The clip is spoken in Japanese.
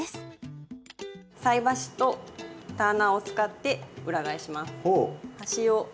菜箸とターナーを使って裏返します。